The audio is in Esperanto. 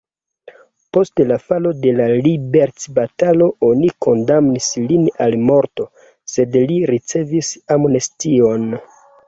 Post la falo de liberecbatalo oni kondamnis lin al morto, sed li ricevis amnestion.